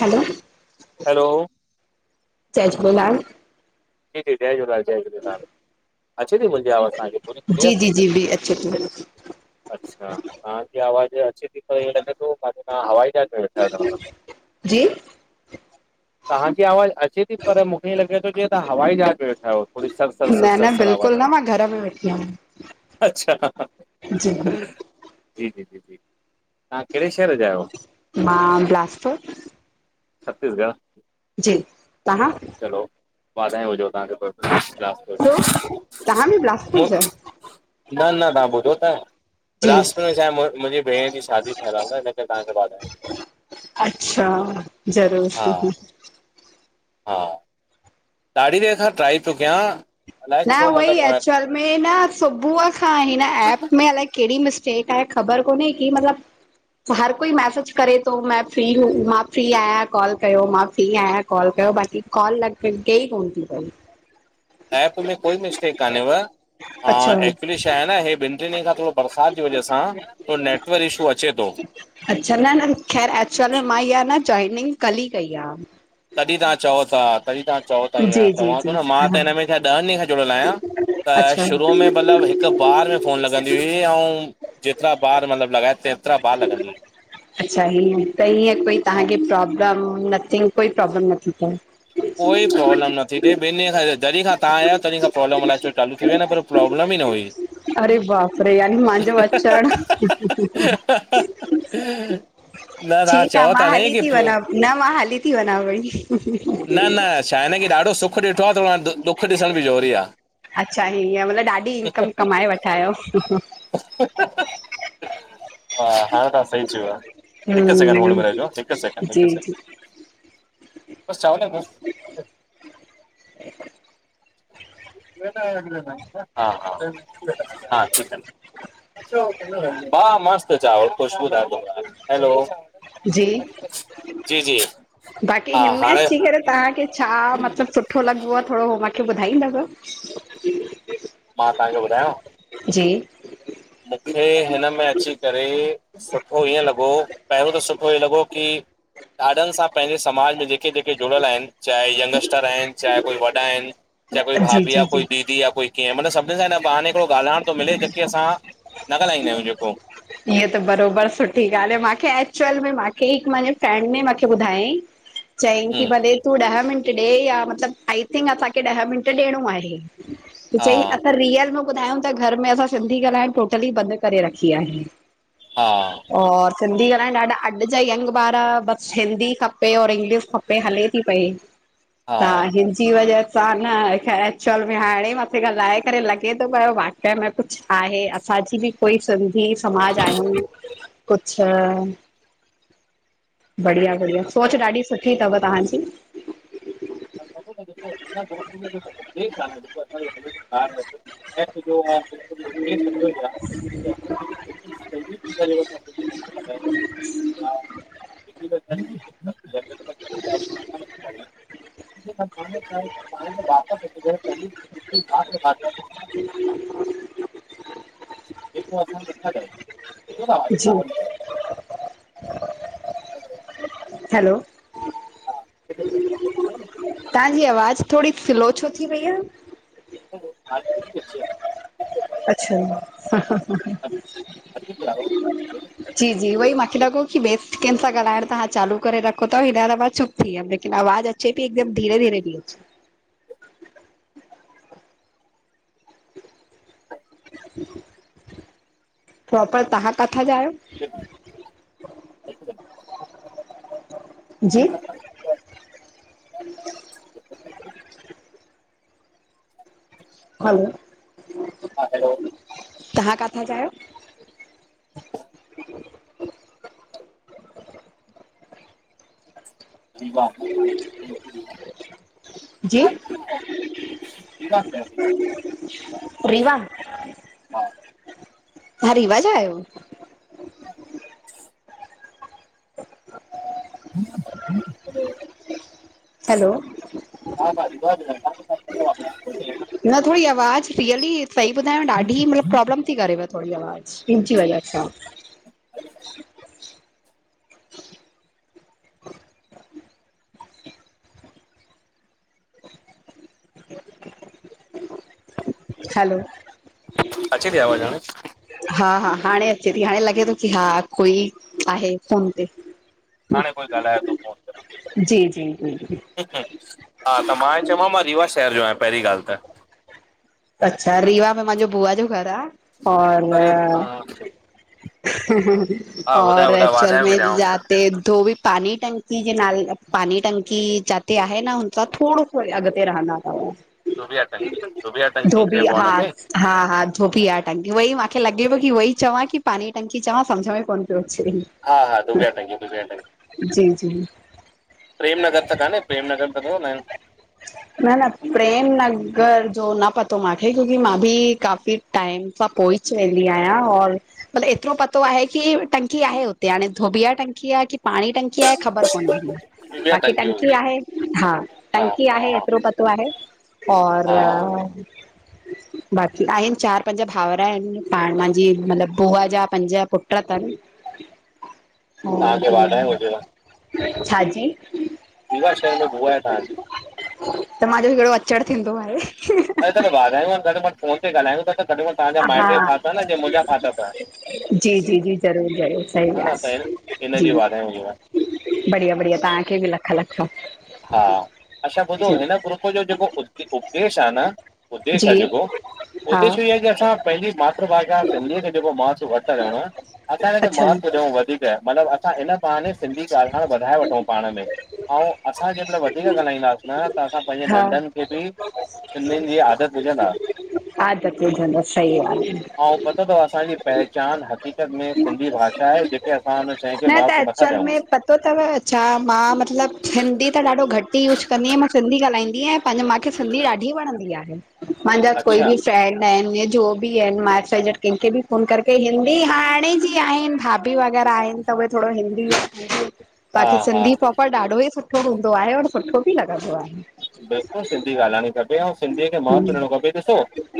हलो hello, जय झूलेलाल। जी जी जय झूलेलाल जय झूलेलाल, अचे ती मुंजी आवाज़ तहांखे? जी जी जी जी अचे ती। अच्छा तहांजी आवाज़ अचे ती त ईंयं लॻे तो काथे तहां हवाई जहाज में वे जी, तहांजी आवाज़ अचे ती पर मुखे ईअं लॻे तो जींयं तहां हवाई जहाज वेठा आहियो थोड़ी सर सर सर न सर न सर बिल्कुलु आवाज़ न मां घर में वेठी आहियां। अच्छा हा हा। जी जी जी जी जी तहां कहिड़े शहर जा आहियो? मां बिलासपुर। छत्तीसगढ़। जी, तव्हां? चलो वाधायो हुजो तव्हांखे छो? तव्हां बि बिलासपुर जा न-न तव्हां ॿुधो त जी बिलासपुर में छाहे मुंहिंजे भेण जी शादी ठयलु आहे हिन करे तव्हांखे वधायो। अच्छा हा ज़रूरु। हा। ॾाढी देरि खां ट्राई तो कयां अलाए न छो उहो ई मतिलबु एक्चुल में न सुबुह खां हिन ऐप में अलाए कहिड़ी मिस मिसटेक आहे ख़बर कोन की मतिलबु हर कोई मैसेज करे थो मेें फ्री हो मां फ्री आहियां कॉल कयो, मां फ्री आहियां कॉल कयो बाक़ी कॉल लॻे ई कोन्ह थी पई। ऐप में कोई मिस्टेक कोन्हे हा, अच्छा एक्चुली छा आहे न हे ॿिनि टिनि ॾींहंनि खां थोरो बरसाति जी वजह सां थोडो नेटवर्क इशू अचे थो। अच्छा न-न ख़ैर एक्चुअल में मां इहा न जॉइनिंग कल्ह ई कई आहे। तॾहिं तव्हां चओ था, तॾहिं तव्हां चओ था ईअं जी जी चवां जी थो न मां हा त हिन में छा ॾींहनि ॾींहंनि खां जुड़ियल आहियां। त अच्छा शुरूअ में मतिलबु हिकु बार में फ़ोन लॻंदी हुई ऐं जेतिरा ॿार मतिलबु लॻाए ते ऐतिरा ॿार लॻंदी हुईं। अच्छा हीअं त हीअं कोई हा तव्हांखे प्रोब्लम नथिंग, कोई प्रोब्लम नथी थिए? कोई प्रोब्लम न थी थिए ॿिन ॾींहनि खां जॾहिं खां तव्हां आहियो तॾहिं खां प्रॉब्लम अलाए छो चालू थी वियो न प्रॉब्लम ई न हुई। अरे बाप रे, यानी मुंहिंजो अचण न तव्हां ठीकु आहे। चओ मां था न हली की थी वञा न मां हली थी वञा भई न-न छा आहे न की ॾाढो सुखु ॾिठो आहे त दुख ॾिसण बि जरूरी आहे। अच्छा हीअं मतिलबु ॾाढी इनकम कमाए वेठा आहियो। हा, हाणे तव्हां सही चयो वियो आहे। हिकु सेकिंड होल हम्म में रहिजो, हिकु सेकिंड, जी हिकु जी सेकिंड बसि चांवर बसि। हा-हा-हा, ठीकु आहे। हा, मस्त चावंर ख़ुशबूदार। हैलो जी, जी जी बाक़ी हा हिन में हाणे अची करे तव्हांखे छा मतिलबु सुठो लॻो आहे, थोरो उहो मूंखे ॿुधाईंदव? मां तव्हांखे ॿुधायो। जी। मूंखे हिन में अची करे सुठो ईअं लॻो, पहिरियों त सुठो हीअं लॻो की ॾाॾनि सां पंहिंजे समाज में जेके-जेके जुड़ियल आहिनि चाहे यंगस्टर आहिनि चाहे कोई वॾा आहिनि चाहे कोई जी भाभी आहे या जी जी कोई दीदी या कोई कीअं मतिलबु सभिनी सां हिकॾे ॿाहने ॻाल्हाइण थो मिले जेके असां न ॻाल्हाईंदा आहियो जेको। हीअ त बराबरि सुठी ॻाल्हि आहे। मूंखे एक्चुअल में मूंखे हिकु मुंहिंजे फेंर्ड ने मूंखे ॿुधायई चयईं हूं की भले तूं ॾह मिंट ॾे या मतिलबु आई थिंक असांखे ॾह मिंट ॾियणो आहे। त चईं हा असां रियल में ॿुधायूं त घर में असां सिंधी ॻाल्हाइणु टोटली बंदि करे रखी आहे। हा और सिंधी ॻाल्हाइण ॾाढा अॼु जा यंग ॿार हिंदी खपे और इंग्लिश खपे हले थी पई हा त हिन जी वजह हा, न एक्चुअल में हाणे मथे ॻाल्हाए करे लॻे थो पियो वाकई में कुछ आहे असांजी बि कोई संधी स कुच्छ बढ़िया सोच ॾाढी सुठी थव तहांजी। िसो हिन ग्रुप में जेको उपदश आहे न जेको अ हलेॿ [unintelligible] ऐं सु जोो [unintelligible] [unintelligible] ठीकु [unintelligible] [inaudible] पाण वापस अच या [unintelligible] [inaudible] जेको असां र जी [unintelligible] हैलो। ठ [inaudible] तहांजी आवाज थोड़ी स्लो छो थी वई आ? हांणे ठीक ति अचेव? अच्छा! जी जी, उई मांखे लॻो कि ॿे कंहिं सां ॻाल्हाइण तव्हां चालू करे रखो थव, हेॾा सफा चुप थी वयो, लेकिन आवाज़ अच्चे पी, एकदम धीरे धीेरे पी अच्चे। प्रोपर, तहां काथां जा आयो? हिकदम। [inaudible] जी ह सारी [inaudible] [inaudible] हैलो। हा हैलो तहां काथां जा आहियो? जी रीवा शहर रीवा। रीवा, तहाँ रीवा जा आयो? [inaudible] हा। [unintelligible] हा हा। [inaudible] हैलो हा बाज बा इनउड़ीब्ल [unintelligible] न थोड़ी आवाज़ु रियली सही ॿुधायांव ॾाढी मतलबु प्रॉब्लम थी करेव थोड़ी आवाज़ु। अलाए छा [unintelligible] हैलो अच्चे ती आवाज हाणे? हा हा हाणे अचे ती, हाणे लॻे थो कि हा कोई आहे फोन ते। हा, हाणे कोई ॻाल्हाए थो फोन ते जी जी जी जी। हा त मां चयोम मां रीवा शहर जो आहियां पहिरीं ॻाल्हि त अच्छा, रीवा में महांजो बुआ जो घर आ और अरे हा और ॿुधायो ॿुधायो चल वाधायूं बि में ॾियांव जाते धोबि पाणी टंकी टंकी जे नाल पाणी टंकी जाथे आहे न हुन खा थोड़ो सो अॻिते रहंदा तव। धोबिया टंकी धोबिया टंकी चइबो आहे हा हुनखे हा हा धोबिया टंकी उहोई मूंखे लॻे पियो कि उहोई चवां की पाणी जी टंकी चवां सम्झ में कोन पियो अचे। हा हा धोबिया टकी धोबिया टंकी जी जी प्रेम नगर त कान्हे प्रेमनगर त न रहंदा आहिन? न न प्रेम नगर जो न पतो त मूंखे क्योंकि मां बि काफ़ी टाइम खां पोए वेंदी आहियां और मतिलबु एतिरो पतो आहे कि टंकी आहे हुते हाणे धोबिया टंकी आहे कि पाणी टंकी आहे ख़बर कोन आहे? दुबिया बाक़ी टंकी हूंदी आहे हा हा टंकी हा आहे एतिरो पतो आहे और छा आहे? बाक़ी आहिनि चारि पंज भाउर आहिनि पाण, मुंहिंजी मतिलबु बुआ जा पंज पुट अथनि तव्हांखे वाधायूं हूजेव। छाजी? रीवा शहर में बुआ आहे तव्हां जी। त मुंहिंजो केहिड़ो अचड़ थींदो आहे? अरे त वाधायूं आहिन घट में घट फोन ते ॻाल्हायूं था त जिअं तवां जा हा माइट भी फाथा पया आहिन जिय मुहिंजा फाथा पया आहिंन। जी जी जी ज़रूर ज़रूर सही त ॻाल्हि जी हिनजी वाधायूं हुजेव बढ़िया बढ़िया तव्हांखे बि लख लख। हा, अच्छा ॿुधो जी हिन ग्रुप जो जेको उद्देश्य आहे न उद्देश्य जी आहे जेको हा उद्देश्य इहो आहे की असां पंहिंजी मातृभाषा सिंधीअ खे जेको महत्वु घट था ॾियूं असां हिनखे अच्छा महत्वु ॾियूं वधीक मतिलबु असां इन बहाने सिंधी ॻाल्हाइणु वधाए वठूं पाण में ऐं असां ॼेंमहिल वधीक ॻाल्हाईंदासीं न त असां पंहिंजे हा नंढनि खे बि सिंधयूंनि जी आदत विझंदा। विझंदा सही आहे। ऐंऊ पतो अथव असांजी पहचान उहा हक़ीक़त में सिंधी भाषा आहे जहिखे असां हुन शइ खे न त महतव नथा एक्चुअल ॾियउं में पतो अथव, छा मां मतिलबु हिंदी त ॾाढो घटि ई यूज़ कंदी आहियां मां सिंधी ॻाल्हाईंदी आहियां पंहिंजी मूंखे सिंधी ॾाढी वणंदी आहे मुंहिंजा कोई अच्छा बि फ्रेंंड आहिनि या जो बि आहिनि माइट कंहिंखे बि फ़ोन करके हिंदी हाणे जी आहिनि भाभी वगैरह त उहे थोडो हिंदी हा बाकी हा सिंधी प्रोपर ॾाढो ई सुठो हूंदो आहे और सुठो बि लॻंदो आहे। बिल्कुलु सिंधी ॻाल्हाइणी खपे ऐं सिंधीअ खे महत्वु आहे। ॾियण खपे डिसो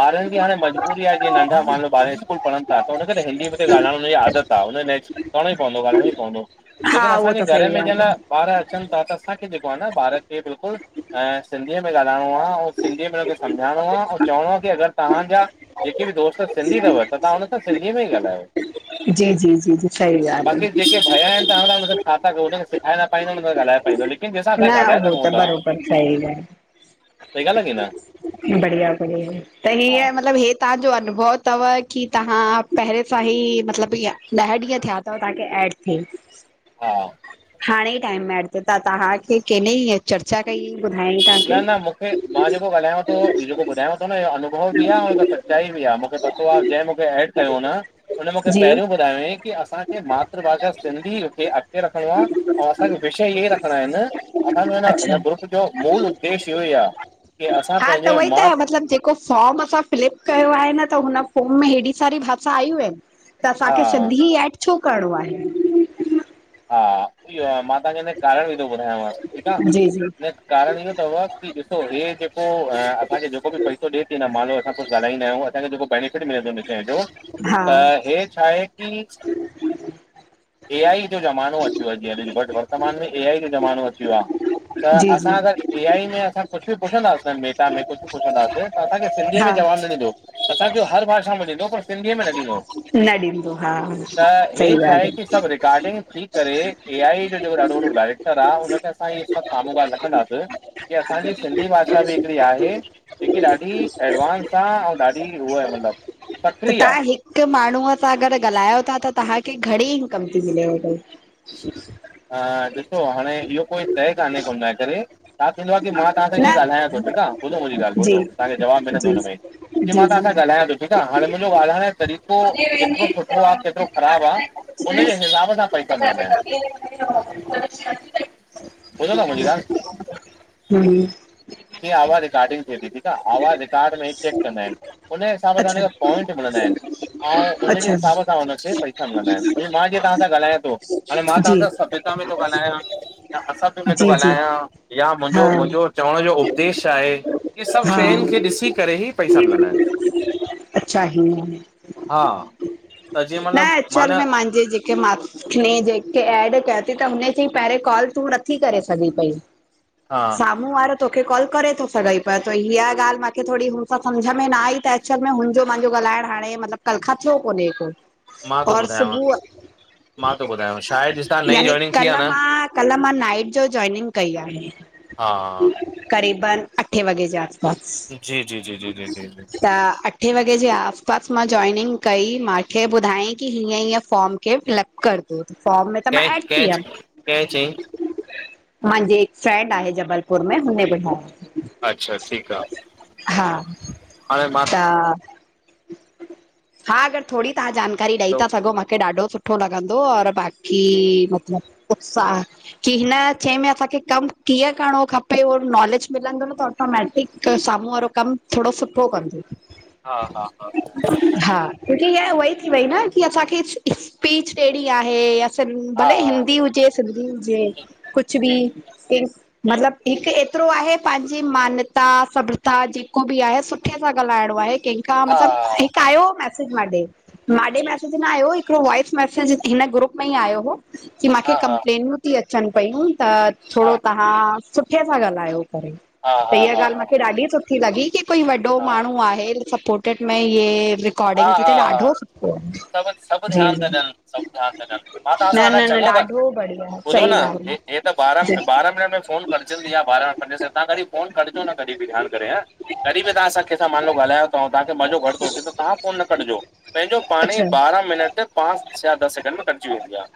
ॿारिन जी हाणे मजबूरी आहे जीअं नंढा मानलो ॿारि इस्कूल पढ़न था त हुनखे हिंदी में ॻाल्हाइण हुनजी आदत आ हुनखे करणो ई पवंदो ॻाल्हाइणो ई पवंदो हा लेकिन उहो असांजे त सही घर में जिअं ॻाल्हि न आहे। ॿार अचनि था त असांखे जेको आहे न ॿारिन खे बिल्कुलु सिंधीअ में ॻाल्हाइणो आहे ऐं सिंधीअ में हुनखे समझाइणो आहे ऐं चवणो कि अगरि तव्हांजा जेके बि दोस्त सिंधी अथव त तव्हां हुन सां सिंधीअ में ई ॻाल्हायो जी जी जी जी सही ॻाल्हि बाक़ी आहे जेके भैया आहिनि तव्हां हुनसां छा था हुनखे सेखारे न पाईंदो न ॻाल्हाए पाईंदो लेकिन जंहिंसां न असां ॻाल्हाए उहो सिघूं त था बरोबर सही ॻाल्ह सही ॻाल्हि आहे की न बढिया बढिया त ही हा आ मतलबु तांजो अनुभव थव की तांहां पहेरें सांही मतिलब ईअं ॾह ॾींहं थिया। त तांखे ऐड थेई। हा। हाणे ई टाइम में एड त तांहांखे केनई चर्चा कई ॿुधायां तांखे। न मूंखे मां जेको ॻालायो तो जेको ॿुधायों थ न इो अनुभव बि आ अ हिक सचाई बि आ मूंखे। आए जेंह मूंखे एड कयो न हुन मूंखे जी पहिरियों ॿुधायोईं। कि असांखे मातृभाषा सिंधीअं खे अॻते रखणो आ अउ असांखे विषय इहेई रखंदाइंन। असांजो हिन अच्छा ग्रुप जो मूल उद्देश इहो आ की असां हा त पंहेनजे उहोई त मा। मतिलबु जेको फॉर्म असां फ्लिप कयो आहे न त हुन फॉर्म में हेॾी सारी भाषा आयूं आहिन्। त हा असांखे सधी एड छो करिणो आहे? हा इहो मां तांखे हिन कारण विधो ॿुधायांव ठीक आह जी जी न। कारण इहो थव की ॾिसो हे जेको असांखे जेको बि पैसो ॾिए थी न मालो असां कुछ ॻाल्हाईंदायूं। आ जेको ब बैनिफिट मिले थो हुन शइ जो हा त हे छा आहे की। ए आई जो ज़मानो अची वयो जीअं घट वर्तमान में ए आई जो ज़मानो अची ब्या। त जी जी असां अगर ए आई में असां कुछ बि पुछंदासीं। मेटा में कुछ पुछंदासीं त असांखे सिंधीअ हा में जवाब न ॾींदो। असांखे हर भाषा में ॾींदो पर सिंधीअ में न ॾींदो। न ॾींदो हा त सही हे छा ॻाल्हि आहे की सभ रिकॉर्डिंग। डिसी करे ए आई जो जेको ॾाढो वॾो डायरेक्टर आह हुनखे असां इ सभ साम्हूं वार रखंदास। की असांजी सिंधी भाषा बि हिकड़ी आहे। जेकी ॾाढी एडवांस आ आऊ ॾाढी उहा हि मतलब। त तां हिक माण्हूअ ता अगर ॻाल्हायो था त तंहाखे घणी इनकम थी मिलेवत? [inaudible] हा ॾिसो हाणे इहो कोई शइ कान्हे कोन हिन करे। तां थींदोवा की मां तांसां न हि ॻाल्हायां तो ठीक आ। ॿुधो मुंजी ॻाल्ह जी ॿधो तांखे जवाब मिलंदो जी हिन भई के जी मां तां जी सां ॻालायां थो ठीक आ, हाणे मुंजो ॻाल्ह हाणे तडी। केतरो सुठो आ केतरो ख़राब आहे हुनन जे हिसाब सां। पैसा मिलंदा आहिनि [unintelligible] बुधन मुंहिंजी गाल्ह। हू। जी आवाज़ रिकार्डिंग थिए थी ठीक आ आवाज़ रिकार्ड में चेक कंदा आहिन। हुनए हिसाब सां अच्छा हुनखे पॉइंट मिलंदा आहिन अऊ हुनए अच्छा जी हिसाब सां हुनखे प। कंदा आहिन भई मां जीअं तां सां ॻाल्हायां तो हाणे मां तां जी सा सभ्यता में तो ॻाल्हायां। या असां बि में थो जी ॻाल्हायां या हा मुंहिंजो मुंहिंजो चवण जो उपदेश आहे। इहे सभ हा सयूं खे ॾिसी करे ई। पैसा मिलंदा आहिनि अच्छा हिंअ। हा। त जीअं न मतिलबु मां अचल न में मांजे जी। की मां न जेके एड कया ती त हुननजी पहेरे कॉल तूं रखी करे सघी पई। हा साम्हूं वारो तोखे कॉल करे तो सघई पर त ईहा ॻाल्ह माँखे थोड़ी सम्झमें न आई त। अक्षर में हुनजो माँन्जो ॻाल्हाइण हाणे मतलब कलखा थियो कोन्हे को। मां त और ॿुधायांव सुबुह मां थो ॿुधायांव सायाद जेसतां नई यानी जॉइनिंग थी आ कल्ह न। मां कल्ह मां नाइट जो जॉइनिंग कई आहे। हा। क़रीबन अठे वजे जाग़। जी जी जी जी जी जी जी त अठे वॻे जे आसपासि मां जॉइनिंग कई, मांखे ॿुधाई की हीअं-हीअं फॉम केरु फिलप करदो, फॉर्म में त मां कंहिं एड थी कंहिं कंहिं चयईं हुयमि। माहांजे हिकु फ्रेंंड आहे जबलपुर में, हुने ॿुधाया। अच्छा ठीकु आ, हाणे मां त हा अॻरि थोडी तहां जानकारी ॾेई हैलो ता सघो मूंखे ॾाढो सु सुठो लॻंदो और बाक़ी मतिलबु उत्साह की हिन शइ में असांखे कमु कीअं करिणो खपे औ नॉलेज मिलंदो न त ऑटोमैटिक साम्हूं वारो कमु थोडो सुठो कंदो। हा हा हा की हिअ उवई थी वई न, की असांखे स्पीच ॾेहिड़ी आहे। सिं हा भले हा हिंदी हुजे, सिंधी हुजे जी कुझु बि जी जी सि मतिलबु हिकु एतिरो आहे पंहिंजी मान्यता, सभ्रता जेको बि आहे सुठे सां ॻाल्हाइणो आहे। ठीकु आ, हा मतिलबु हिकु हा आयो मैसेज माॾे, माॾे जी जी मैसेज न आयो हिकिड़ो वॉइस मैसेज हिन ग्रुप में ई आयो हुओ, की मांखे हा हा कंप्लेनियूं ती अचनि पयूं त हा थोडो तव्हां सुठे सां ॻाल्हायो करे, हा त हा इहा हा ॻाल्हि मूंखे ॾाढी सुठी लॻी की कोई वॾो हा माण्हू आहे सपोटेट में, ये रि हा रिकॉडिंग थी हा त हा ॾाढो सभु सभु जी ध्यानु जी। था ॾियनि सभु ध्यानु था ॾियनि मां तव्हां न सां अञा न न ॾाढो बढ़िया, सही ॻाल्हि हीअ त ॿारह, जी ॿारह मिनट में फोनु कटजंदी आ ॿारह पंजे से, तां कॾी फोनु कटजो न कॾी बि ध्याण करे हे। कॾी बि तां सां कैसां मानलो ॻाल्हायो तव, तव्हां खे मज़ो घट तो अचे त तहां फोनु न कटिजो, पंहिंजो अच्छा पाणेई ॿारह मिनट ते पांच या दस सैकेंड में कटिजी वेंदी आ। [inaudible]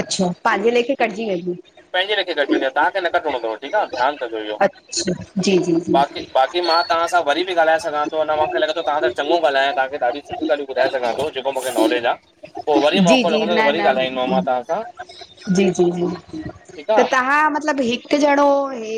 अच्छो, पाहिंजे लेखे कटजी वेंदी। पंहिंजे लेखे कटिजीं वेंदी, तव्हांखे न किटणो तव, ठीकु आ ध्यानु रखजो इयो। अच्छा, जी जी बाक़ी, जी बाक़ी मां तहां सां वरी बि ॻाल्हाए सघां तो, अञां मांखे लॻे तो तहां त चङो ॻाल्हाया। तांखे ॾाढी सुठिय ॻाल्हियूं ॿुधाए सघा तो, जेको मूंखे नॉेलेज आ। पो वरी जी मौक़ो जी लॻंदो त न वरी ॻाल्हाईंदोमांव न मां तहां सां। जी जी जी ठीक आ त तव्हां मतिलबु हिकु जणो हे